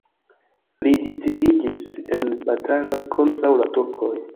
Li distingiĝis en bataloj kontraŭ la turkoj.